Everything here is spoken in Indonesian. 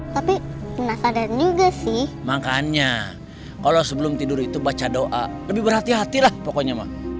tapi penasaran juga sih makanya kalau sebelum tidur itu baca doa lebih berhati hatilah pokoknya